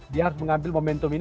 dia harus mengambil momentum ini